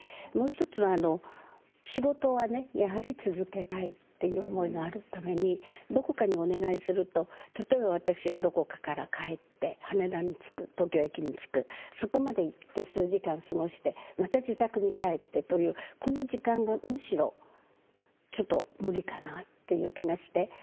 もう一つは仕事はやはり続けたいっていう思いがあるためにどこかにお願いすると例えば私はどこかから帰って羽田に着く東京駅に着くそこまで行って数時間過ごしてまた自宅に帰ってというこの時間がむしろちょっと無理かなっていう気がして。